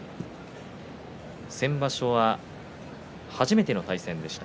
先場所は初めての対戦でした。